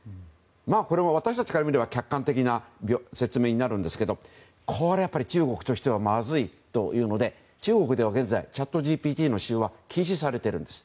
これは、私たちから見れば客観的な説明になりますがこれはやっぱり中国としてはまずいということで中国では現在チャットＧＰＴの使用は禁止されているんです。